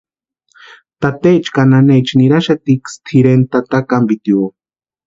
Tateecha ka nanecha niraxatiksï tʼireni tata kampitio.